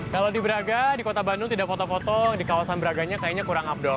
kalau di braga di kota bandung tidak foto foto di kawasan braganya kayaknya kurang abdol